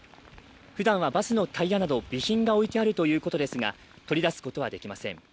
ふだんはバスのタイヤなど備品が置いてあるということですが、取り出すことは出きません。